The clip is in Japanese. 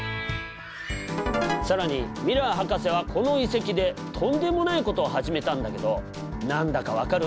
更にミラー博士はこの遺跡でとんでもないことを始めたんだけど何だか分かる？